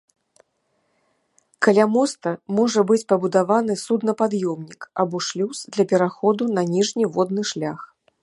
Каля моста можа быць пабудаваны суднапад'ёмнік або шлюз для пераходу на ніжні водны шлях.